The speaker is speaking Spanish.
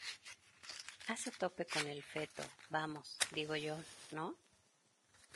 hace tope con el feto, vamos , digo yo ,¿ no?